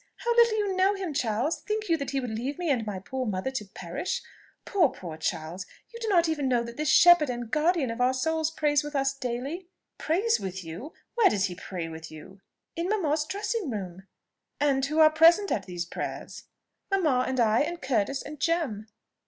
How little you know him, Charles! Think you that he would leave me and my poor mother to perish! Poor, poor Charles, you do not even know that this shepherd and guardian of our souls prays with us daily?" "Prays with you? Where does he pray with you?" "In mamma's dressing room." "And who are present at these prayers?" "Mamma, and I, and Curtis, and Jem."